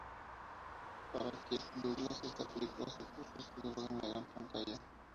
Para Kirk Douglas, esta película supuso su debut en la gran pantalla.